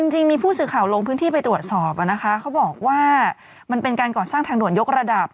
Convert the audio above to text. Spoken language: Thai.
จริงมีผู้สื่อข่าวลงพื้นที่ไปตรวจสอบนะคะเขาบอกว่ามันเป็นการก่อสร้างทางด่วนยกระดับ